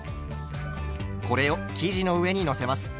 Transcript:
これを生地の上にのせます。